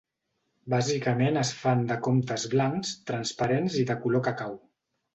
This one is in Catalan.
Bàsicament es fan de comptes blancs, transparents i de color cacau.